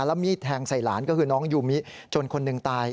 แล้วมีดแทงใส่หลานก็คือน้องยูมิจนคนหนึ่งตาย